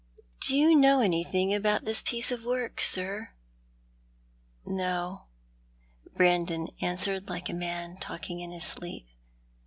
" Do you know anything about this piece of work, sir ?" "No," Brandon answered, like a man talking in his sleep.